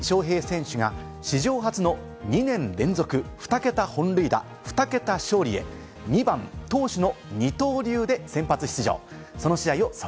エンゼルスの大谷翔平選手が史上初の２年連続２桁本塁打・２桁勝利へ、２番・投手の二刀流で先発出場。